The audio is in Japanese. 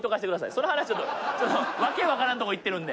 その話、ちょっと訳分からんとこいっているので。